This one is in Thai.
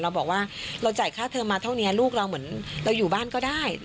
เราบอกว่าเราจ่ายค่าเทอมมาเท่านี้ลูกเราเหมือนเราอยู่บ้านก็ได้